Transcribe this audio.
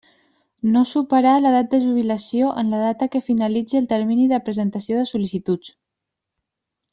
No superar l'edat de jubilació en la data que finalitzi el termini de presentació de sol·licituds.